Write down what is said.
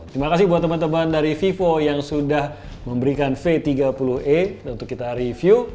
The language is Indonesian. terima kasih buat teman teman dari vivo yang sudah memberikan v tiga puluh e untuk kita review